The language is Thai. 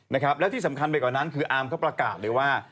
นะครับและที่สำคัญไปกว่านั้นคืออาร์มเขาประกาศเลยว่า